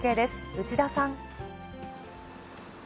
内田さん。